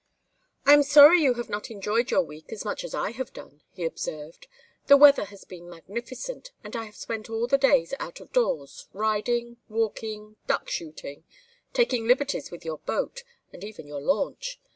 "I am sorry you have not enjoyed your week as much as I have done," he observed. "The weather has been magnificent, and I have spent all the days out of doors, riding, walking, duck shooting taking liberties with your boat, and even your launch.